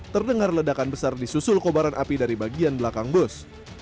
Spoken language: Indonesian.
terdengar ledakan besar di susul kobaran api dari bagian belakang bus